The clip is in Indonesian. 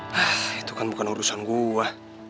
hah itu kan bukan urusan gua